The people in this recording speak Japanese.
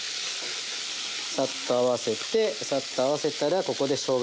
サッと合わせてサッと合わせたらここでしょうがですね。